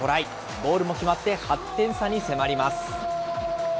ゴールも決まって８点差に迫ります。